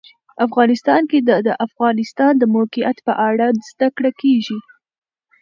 افغانستان کې د د افغانستان د موقعیت په اړه زده کړه کېږي.